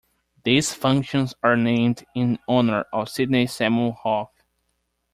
These functions are named in honour of Sydney Samuel Hough.